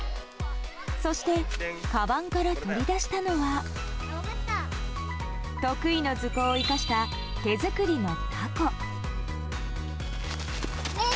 そしてカバンから取り出したのは得意の図工を生かした手作りのたこ。